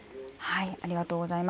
ありがとうございます。